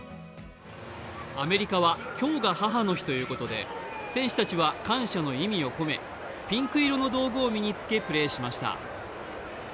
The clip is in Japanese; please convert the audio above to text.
アメリカは今日が母の日ということで、選手たちは感謝の意味を込めピンク色の道具を身に着けプレーしました。